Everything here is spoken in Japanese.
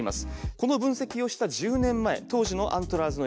この分析をした１０年前当時のアントラーズの営業